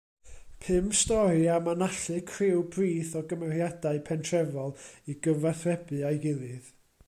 Pum stori am anallu criw brith o gymeriadau pentrefol i gyfathrebu â'i gilydd.